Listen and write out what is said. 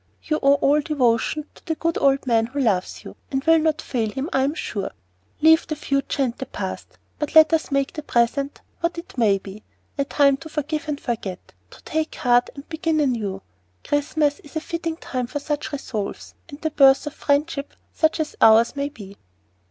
You owe all devotion to the good old man who loves you, and will not fail him, I am sure. Leave the future and the past, but let us make the present what it may be a time to forgive and forget, to take heart and begin anew. Christmas is a fitting time for such resolves, and the birth of friendship such as ours may be."